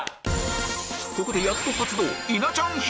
ここでやっと発動！